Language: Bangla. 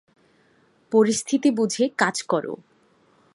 পরিস্থিতি বুঝে কাজ করো!